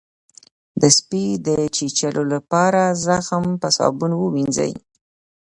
د سپي د چیچلو لپاره زخم په صابون ووینځئ